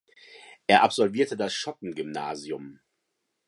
Er absolvierte das Schottengymnasium.